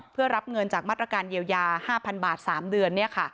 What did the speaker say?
เพื่อรับเงินจากมาตรการเยียวยา๕๐๐บาท๓เดือน